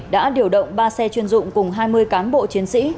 đã điều động ba xe chuyên dụng cùng hai mươi cán bộ chiến sĩ